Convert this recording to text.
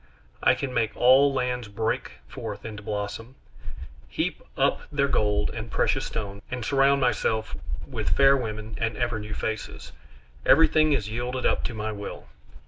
I can make all lands break forth into blossom, heap up their gold and precious stones, and surround myself with fair women and ever new faces; everything is yielded up to my will.